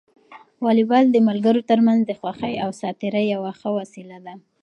واليبال د ملګرو ترمنځ د خوښۍ او ساعت تېري یوه ښه وسیله ده.